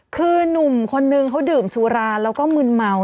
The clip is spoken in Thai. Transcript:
คือหนุ่มคนนึงเขาดื่มสุราแล้วก็มึนเมา